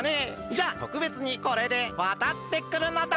じゃあとくべつにこれでわたってくるのだ。